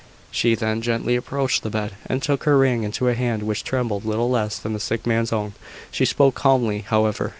She then gently approached the bed, and took her ring into a hand which trembled little less than the sick man's own. She spoke calmly, however.